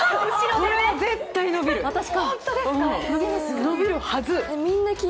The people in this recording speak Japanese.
これ絶対伸びるはず！